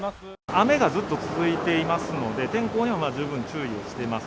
雨がずっと続いていますので、天候には十分注意をしてます。